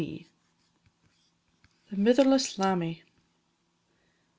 THE MITHERLESS LAMMIE.